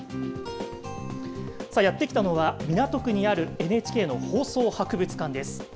やって来たのは、港区にあるＮＨＫの放送博物館です。